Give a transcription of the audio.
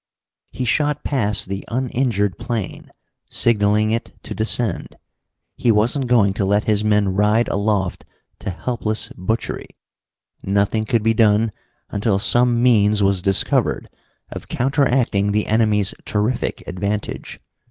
He shot past the uninjured plane, signalling it to descend. He wasn't going to let his men ride aloft to helpless butchery. Nothing could be done until some means was discovered of counteracting the enemy's terrific advantage.